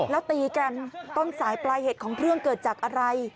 แล้วตีกันต้นสายปลายเหตุของเรื่องเกิดจากอะไร